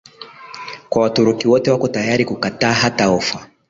kwa Waturuki wote Wako tayari kukataa hata ofa